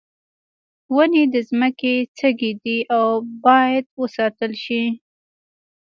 ونې د ځمکې سږی دي او باید وساتل شي.